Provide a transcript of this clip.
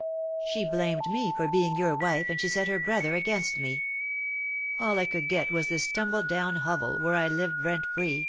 She blamed me for being your wife, and she set her brother against me. All I could get was this tumble down hovel, where I live rent free.